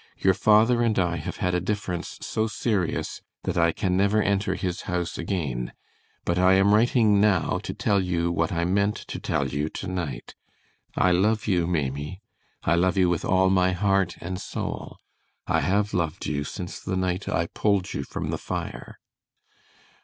Your father and I have had a difference so serious that I can never enter his house again, but I am writing now to tell you what I meant to tell you to night. I love you, Maimie. I love you with all my heart and soul. I have loved you since the night I pulled you from the fire.